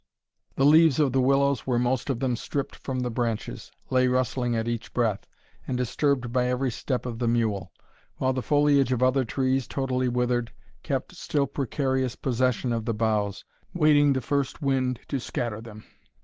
The leaves of the willows were most of them stripped from the branches, lay rustling at each breath, and disturbed by every step of the mule; while the foliage of other trees, totally withered, kept still precarious possession of the boughs, waiting the first wind to scatter them.